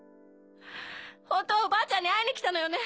本当はおばあちゃんに会いに来たのよね？